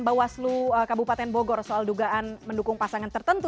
bawaslu kabupaten bogor soal dugaan mendukung pasangan tertentu